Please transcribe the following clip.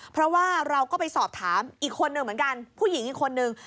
เพราะว่าเราก็ไปสอบถามอีกคนหนึ่งเหมือนกันผู้หญิงอีกคนนึง